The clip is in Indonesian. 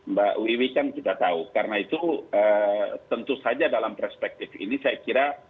mbak wiwi kan sudah tahu karena itu tentu saja dalam perspektif ini saya kira